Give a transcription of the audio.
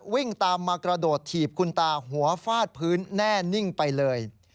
วิ่งตามมากระโดดถีบคุณตาหัวฟาดพื้นแน่นิ่งไปเลย